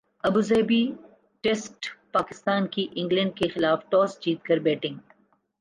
Abu Dhabi ٹیسٹپاکستان کی England کیخلاف toss جیت کر بیٹنگ